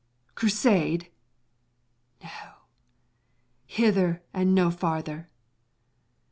Crusade? No! Hither and no farther!